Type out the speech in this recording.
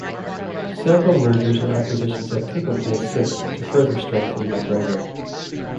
Several mergers and acquisitions have taken place since to further strengthen MacGregor.